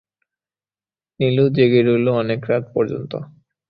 নীলু জেগে রইল অনেক রাত পর্যন্ত।